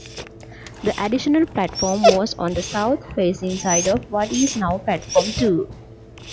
The additional platform was on the south-facing side of what is now platform two.